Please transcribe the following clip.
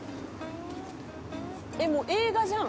「もう映画じゃん」